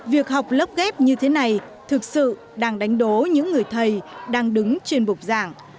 việc học lớp ghép như thế này thực sự đang đánh đố những người thầy đang đứng trên bục giảng